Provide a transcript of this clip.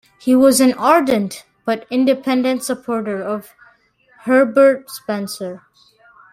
He was an ardent but independent supporter of Herbert Spencer.